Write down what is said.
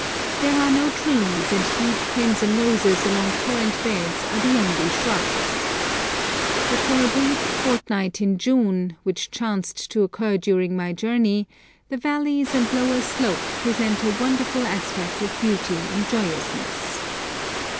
There are no trees, and deep crimson roses along torrent beds are the only shrubs. But for a brief fortnight in June, which chanced to occur during my journey, the valleys and lower slope present a wonderful aspect of beauty and joyousness.